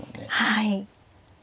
はい。